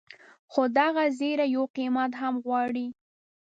خو دغه زیری یو قیمت هم غواړي.